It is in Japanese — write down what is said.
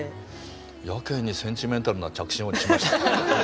やけにセンチメンタルな着信音にしましたね。